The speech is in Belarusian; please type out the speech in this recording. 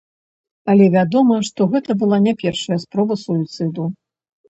Але вядома, што гэта была не першая спроба суіцыду.